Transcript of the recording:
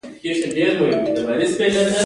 په پایله کې دوی ته یو سلنه ګټه پاتې کېږي